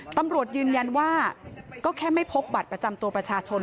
ตำรวจยืนยันว่าก็แค่ไม่พบบัตรประจำตัวประชาชน